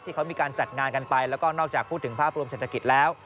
ที่เขามีการจัดงานกันไปแล้วก็นอกจากพูดถึงภาพรวมเศรษฐกิจแล้ว